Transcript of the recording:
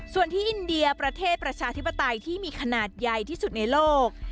ส่วนที่อินเดียประเทศประชาธิปไตยที่มีขนาดใหญ่ที่สุดในโลก